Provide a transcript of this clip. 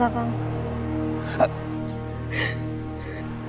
kalau kau mengalah